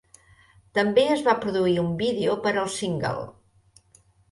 També es va produir un vídeo per al single.